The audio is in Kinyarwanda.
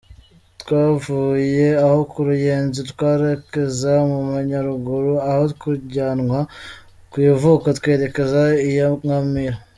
Twavuye aho ku ruyenzi twerekeza mu majyaruguru aho kujyanwa ku ivuko twerekeza iya Nkamira.